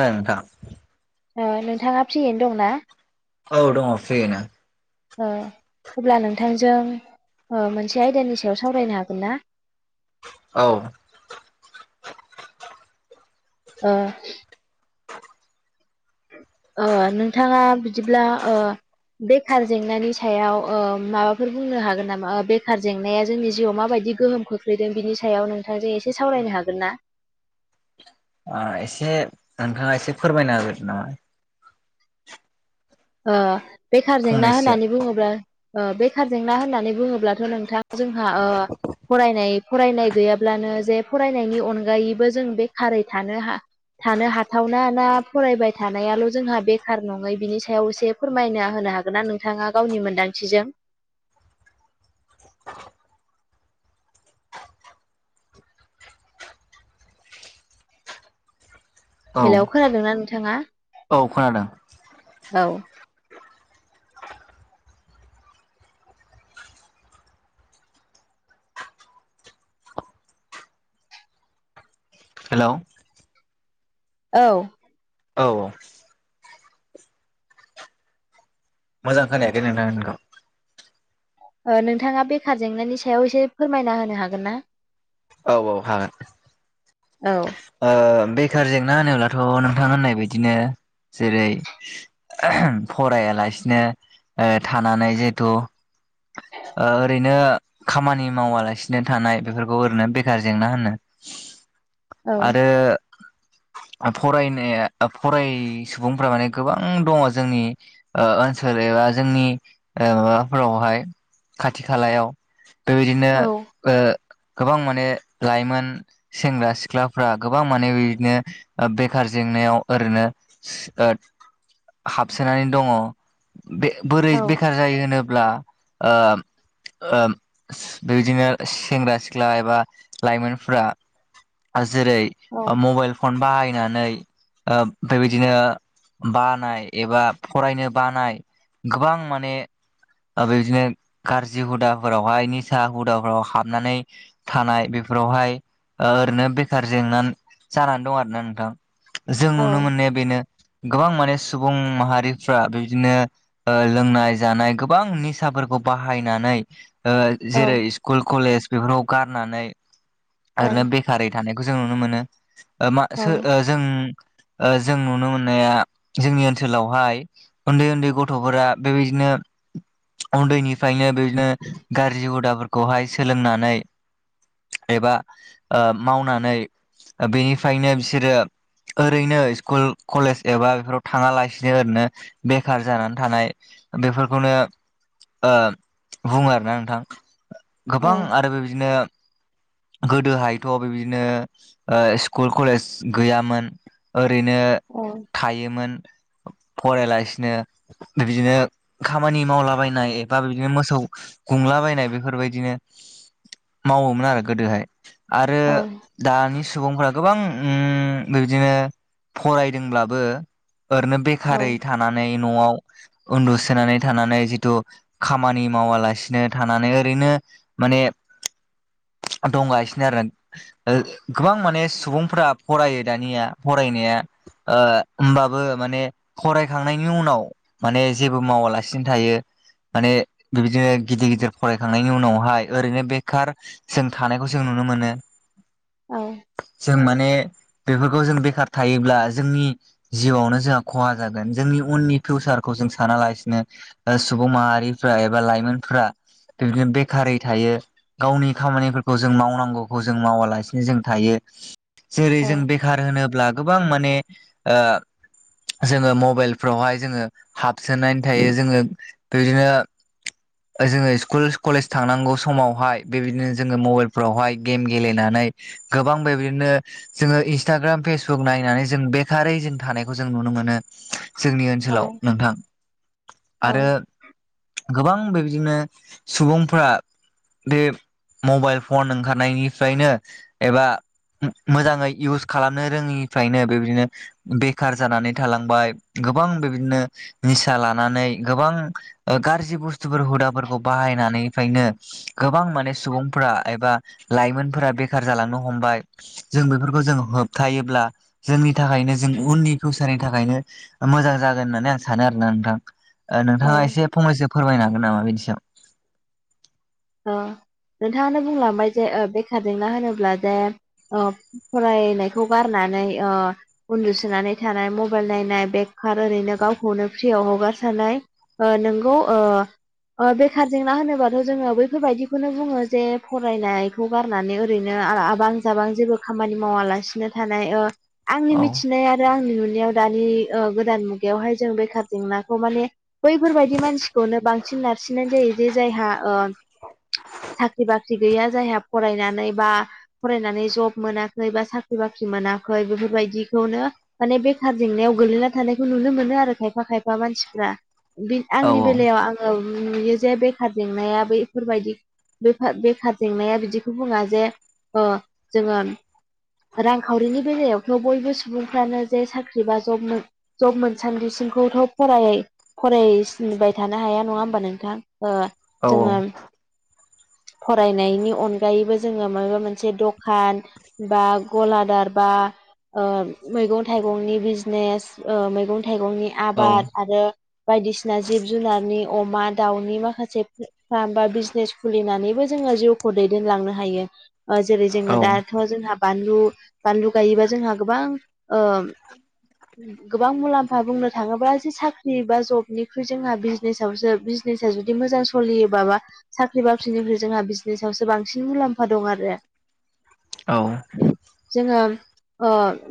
ओ नोंथां ओ नोंथाङा फ्रियैनो दंना? औ दङ फ्रियैनो। अ अब्ला नोंथांजों मोनसे आयदानि सायाव सावरायनो हागोन ना? औ। ओ। ओ नोंथाङा बिदिब्ला ओ बेखार जेंनानि सायाव ओ माबाफोर बुंनो हागोन नामा? ओ बेखार जेंनाया जोंनि जिउआव माबायदि गोहोम खोख्लैदों बिनि सायाव नोंथांजों एसे सावरायनो हागोन ना? ओ एसे नोंथाङा एसे फोरमायनो होगोरदो नामा? ओ बेखार जेंना फंनैसो होननानै बुङोब्ला ओ बेखार जेंना होननानै बुङोब्लाथ नोंथां जोंहा ओ फरायनाय फरायनाय गैयाब्लानो जे फरायनायनि अनगायैबो जों बेखारै थानो हा थानो हाथावना ना फरायबाय थानायाल जोंहा बेखार नङै बिनि सा सायाव एसे फोरमायना होनो हागोन ना नोंथाङा गावनि मोनदांथिजों? औ बेलायाव खोनादोंना नोंथाङा? औ खोनादों। औ। हेलौ औ। औ। मोजां खोनायाखै नोंथांनिखौ। ओ नोंथाङा बेखार जेंनानि सायाव एसे फोरमायना होनो हागोन ना? औ हागोन। औ। ओ बेखार जेंना होनोब्लाथ नोंथां होननाय बदिनो जेरै फरायालासिनो थानानै जिहेथु ओ ओरैनो खामानि मावालासिनो थानाय बेफोरखौ ओरैनो बेखार जेंना होनो। औ आरो फरायनाया फराय सुबुंफोरा माने गोबां दङ जोंनि ओ ओनसोल एबा जोंनि माबाफोरावहाय खाथि खालायाव बेबादिनो औ ओ गोबां माने लाइमोन सेंग्रा सिख्लाफ्रा गोबां माने बिदिनो बेखार जेंनायाव ओरैनो ओ हाबसोनानै दङ बे बोरै औ बेखार जायो होनोब्ला ब्ला ओ ओ बेबायदिनो सेंग्रा सिख्ला एबा लाइमोनफोरा जेरै औ मबाइल फन बाहायनानै ओ बेबायदिनो बानाय एबा फरायनो बानाय गोबां माने बे बिदिनो गाज्रि हुदाफोरावहाय निसा हुदाफोराव हाबनानै थानाय बेफोरावहाय ओरैनो ओ बेखार जेंना जानानै दं आरोना नोंथां। जों औ नुनो मोननाया बेनो गोबां माने सुबुं माहारिफ्रा बेबादिनो ओ लोंनाय जानाय गोबां निसाफोरखौ बाहायनानै ओ औ जेरै स्कुल कलेज बेफोराव गारनानै ओरैनो बे खारै थानायखौ जों नुनो मोनो ओ मा सोर औ ओ जों ओ जों नुनो मोननाया जोंनि ओनसोलावहाय उन्दै उन्दै गथ'फोरा बेबायदिनो उन्दैनिफ्रायनो बे ओ गाज्रि हुदाफोर खौहाय सोलोंनानै एबा ओ मावनानै ओ बेनिफ्रायनो बिसोरो ओरैनो स्कुल कलेज एबा बेफोराव थाङा लासिनो ओरैनो बेखार जानानै थानाय बेफोरखौनो ओ बुङो आरोना नोंथां औ गोबां आरो बेबायदिनो गोदोहायथ' बेबायदिनो ओ स्कुल कलेज गैयामोन ओरैनो अ थायोमोन फरायालासिनो बिबादिनो खामानि मावलाबायनाय एबा बिदिनो मोसौ गुंलाबायनाय बेफोरबायदिनो मावोमोन आरो गोदोहाय आरो दानि सुबुंफ्रा गोबां उम बेबादिनो फरायदोंब्लाबो ओरैनो बेखारै थानानै न'आव उन्दुसोनानै थानानै जिथु खामानि मावालासिनो थानानै ओरैनो माने दंगासिनो आरो। ओ गोबां माने सुबुंफोरा फरायो दानिया फरायनाया ओ होमबाबो माने फरायखांनायनि उनाव माने जेबो मावालासिनो थायो। माने बिबायदिनो गिदिर गिदिर फरायखांनायनि उनावहाय ओरैनो बेखार जों थानायखौ जों नुनो मोनो। ओं जों माने बेफोरखौ जों बेखार थायोब्ला जोंनि जिउआवनो जोंहा खहा जागोन जोंनि उननि फिउसारखौ जों सानालासिनो ओ सुबुं माहारिफ्रा एबा लाइमोनफ्रा बिबादिनो बेखारै थायो गावनि खामानिफोरखौ जों मावनांगौखौ जों मावालासिनो जों थायो जेरै जों बे खार होनोब्ला गोबां माने ओ जोङो मबाइलफ्रावहाय जोङो हाबसोनानै थायो जोङो। बेबादिनो ओ जोङो स्कुल कलेज थांनांगौ समावहाय बेबायदिनो जोङो मबाइलफ्रावहाय गेम गेलेनानै गोबां बेबायदिनो जोङो इन्स्टाग्राम फेसबुक नायनानै जों बेखारै जों थानायखौ जों नुनो मोनो। जोंनि ओनसोलाव नोंथां ओ आरो गोबां बेबायदिनो सुबुंफोरा बे मबाइल फन ओंखारनायनिफ्रायनो एबा मोजाङै इउस खालामनो रोङिनिफ्रायनो बेबायदिनो बेखार जानानै थालांबाय गोबां बिबादिनो निसा लानानै गोबां ओ गाज्रि बुस्थ थुफोर हुदाफोरखौ बाहायनानैफायनो गोबां माने फोरा एबा लाइमोनफोरा बेखार जालांनो हमबाय। जों बेफोरखौ जों होबथायोब्ला जोंनि थाखायनो जों उननि फिउसारनि थाखायनो मोजां जागोन होननानै आं सानो आरो ना नोंथां ओ नोंथाङा एसे फंनैसो फोरमायनो हागोन नामा बेनि सायाव। ओ नोंथाङानो बुंलांबाय जे ओ बेखार जेंना होनोब्ला जे ओ फरायनायखौ गारनानै ओ उन्दुसोनानै थानाय मबाइल नायनाय बेखार ओरैनो गावखौनो फ्रियाव हगारसारनाय। नोंगौ बेखार जेंना होनोबाथ' जोङो बै बेफोरबायदिखौनो बुङो जे फरायनायखौ गारनानै ओरैनो आबां जाबां जेबो खामानि मावालासिनो थानाय आंनि औ मिथिनाया आरो आंनि नुनायाव दानि गोदान मुगायावहाय जों बेखार जेंनाखौ माने बैफोरबायाददि मानसिखौनो बांसिन नारसिननाय जायो जे जायहा [unintelligible] साख्रि बाख्रि गैया जायहा फरायनानै बा फरायनानै जब मोनाखै बा साख्रि बाख्रि मोनाखै बेफोरबायदिखौनो माने बे खार जेंनायाव गोगलैना थानायखौ नुनो मोनो आरो खायफा खायफा मानसिफ्रा औ आंनि बेलायाव आङो नुयो जे बेखार जेंनाया ब बेफोरबायदि बे बेखार जेंनाया बिदिखौ बुङा जे जोङो रांखावरिनि बेलायावथ' बयबो सुबुंफ्रानो जे साख्रि बा जब जब मोनसानदि बिसिमखौथ' फरायै फरायसिनबाय थानो हाया नङा होमबा नोंथां औ औ जोङो फरायनायनि अनगायैबो जोङो माबा मोनसे दखान बा गलादार बा ओ मैगं थाइगंनि बिजनेस मैगं थाइगंनि औ आबाद आरो बायदिसिना जिब जुनारनि अमा दाउनि माखासे बा बिजनेस खुलिनानैबो जोङो जिउखौ दैदेनलांनो हायो जेरै जोङो दा जोंहा बानलु बानलु गायोबा जोंहा गोबां गोबां मुलाम्फा बुंनो थाङोब्ला जे साख्रि बा जबनिख्रुइ जोंहा बिजनेसावसो जिनिसा जुदि मोजां सोलियोबाबा साख्रि बाख्रिनिफ्राय जोंहा बिजनेसावसो बांसिन मुलाम्फा दं आरो औ जोङो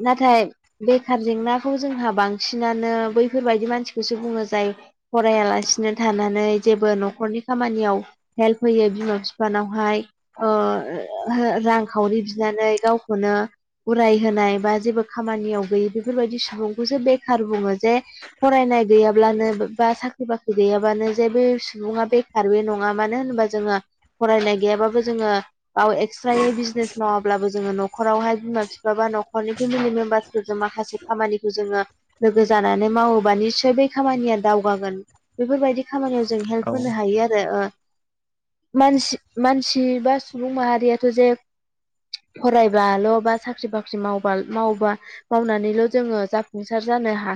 नाथाय बेखार जेंनाखौ जोंहा बांसिनानो बैफोरबायदि मानसिखौसो बुङो जाय फरायलासिनो थानानै जेबो न'खरनि खामानियाव हेल्प होयो बिमा बिफानावहाय ओ रांखावरि बिनानै गावखौनो उराय होनोनाय बा जेबो खामानियाव गैयि बेफोरबायदि सुबुंखौसो बेखार बुङो जे फरायनाय गैयाब्लानो बा साख्रि बाख्रि गैयाब्लानो जेबो सुबुङा बेखारबो नङा मानो होनोबा जोङो फरायनाय गैयाबाबो जोङो बाव एक्सट्रायै बिजनेस मावाब्लाबो जोङो न'खरावहाय बिमा बिफा बा न'खरनि फेमिलि मेम्बार्सफोरजों माखासे खामानिखौ जोङो लोगो जानानै मावोबा निसय बेै खामानिया दावगागोन बेफोरबायदि खामानियाव जों औ हेल्प होनो हायो आरो मानसि मानसि बा सुबुं माहारियाथ' जे फरायबाल' बा साख्रि बाख्रि मावबा मावबा मावनानैल' जोङो जाफुंसार जानो हा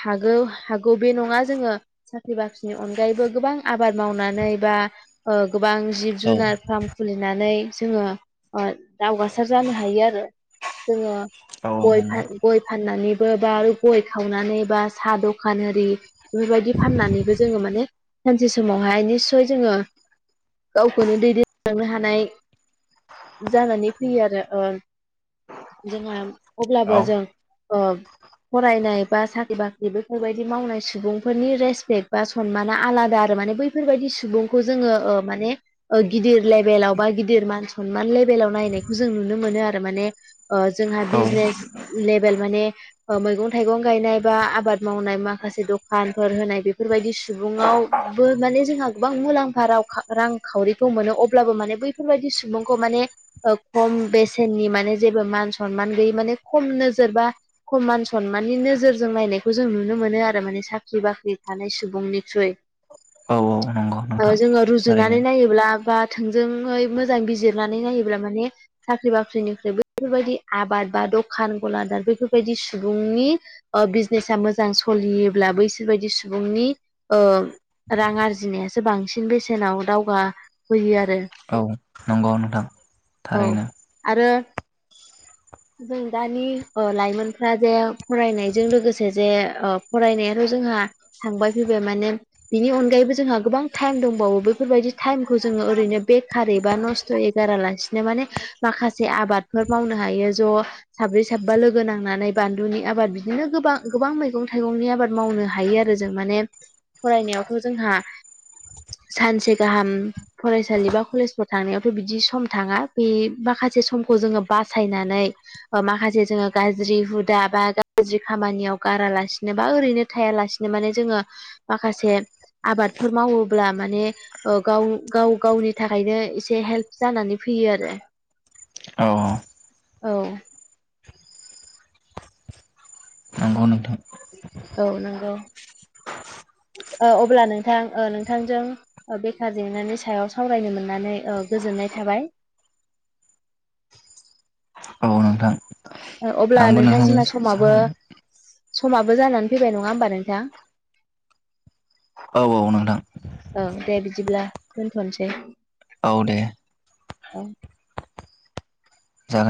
हागौ हागौ बे नङा जोङो साख्रि बाख्रिनि अनगायैबो गोबां आबाद मावनानै बा गोबां जिब औ जुनार फार्म खुलिनानै जोङो दावगासार जानो हायो आरो जोङो औ गय नंगौ फा गय फाननानैबो बा आरो गय खावनानै बा साहा दखान आरि बेफोरबायदि फाननानैबो जोङो माने सानसे समावहाय जोङो गावखौनो दैदेनलांनो हानाय जानानै फैयो आरो जोंहा औ अब्लाबो जों ओ फरायनाय बा साख्रि बाख्रि बेफोरबायदि मावनाय सुबुंफोरनि रेसपेक्ट बा सनमाना आलादा आरो माने बैफोरबायदि सुबुंखौ जोङो माने ओ गिदिर लेभेलाव बा गिदिर मान सनमान लेभेलाव नायनायखौ जों नुनो मोनो आरो माने ओ जोंहा औ बिजनेस लेभेल माने ओ मैगं थाइगं गायनाय बा आबाद मावनाय माखासे दखानफोर होनाय बेफोरबायदि सुबुंआव [unintelligible] गोबां मुलाम्फा रांखावरिखौ मोनो अब्लाबो माने बैफोरबायदि सुबुंखौ माने खम बेसेननि माने जेबो मान सनमान गैयै माने खम नोजोरबा समान सनमाननि नोजोरजों नायनायखौ जों नुनो मोनो आरो माने साख्रि बाख्रि थानाय सुबुंनिख्रुय औ नंगौ नोंथां जोङो रुजुनानै थारैनो नायोब्ला बा थोंजोङै मोजां बिजिरनानै नायोब्ला माने साख्रि बाख्रिनिफ्राय बैफोरबायदि आबाद बा दखान गलादार बेैफोरबायदि सुबुंनि बिजनेसा मोजां सलियोब्ला बैसोर बायदि सुबुंनि रां आरजिनायासो बांसिन बेसेनाव दावगाहोयो आरो औ नंगौ नोथां औ थारैनो आरो जों दानि लाइमोनफ्रा जे फरायनायजों लोगोसे जे फरायनायाथ' जोंहा थांबाय फैबाय माने बिनि अनगायैबो जोंहा गोबां टाइम दंबावो बेफोरबायदि टाइमखौ जोङो ओरैनो बेखारै बा नस्थ'यै गारालासिनो माने माखासे आबादफोर मावनो हायो ज' साब्रै साबा लोगो नांनानै बानलुनि आबाद बिदिनो गोबां गोबां मैगं थाइगंनि आबाद मावनो हायो आरो जों माने फरायनायावथ' जोंहा सानसे गाहाम फरायसालि बा कलेजफ्राव थांनायावथ' बिदि सम थाङा बे माखासे समखौ जोङो बासायनानै माखासे जोङो गाज्रि हुदा बा गाज्रि खामानियाव गारालासिनोबा ओरैनो थायालासिनो माने जोङो माखासे आबादफोर मावो ब्ला माने गाव गाव गावनि थाखायनो एसे हेल्प जानानै फैयो आरो [inaudible] औ नंगौ नोंथां औ नंगौ अब्ला नोंथां नोंथांजों बेखार जेंनानि सायाव सावरायनो मोननानै गोजोननाय थाबाय औ नोंथां अब्ला आंबो नोंथां नोंथांजों जोंना समाबो सावरायनो जानानै फैबाय नङा होमबा नोंथां औ औ नोंथां औ दे बिदिब्ला दोनथ'नोसै औ दे औ। जागोन